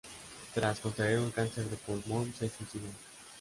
Tras contraer un cáncer de pulmón, se suicidó.